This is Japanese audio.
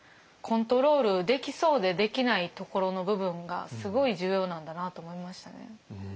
コントロールできそうでできないところの部分がすごい重要なんだなと思いましたね。